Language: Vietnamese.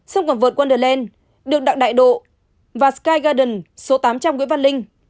sân quần vợt wonderland được đặng đại độ và sky garden số tám trăm linh nguyễn văn linh